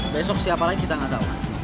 besok siapa lagi kita nggak tahu